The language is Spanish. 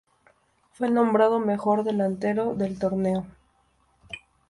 Fue nombrado mejor delantero del torneo.